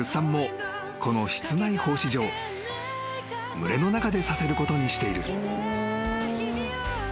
［群れの中でさせることにしている］